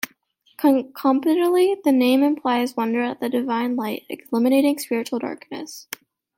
Cumulatively, the name implies wonder at the Divine Light eliminating spiritual darkness.